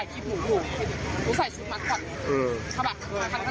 ชนเถอะอืม